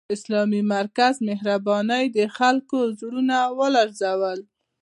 د اسلامي مرکز مهربانۍ د خلکو زړونه ولړزول